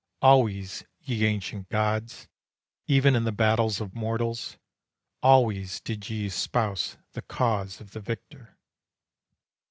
Always ye ancient gods, Even in the battles of mortals, Always did ye espouse the cause of the victor.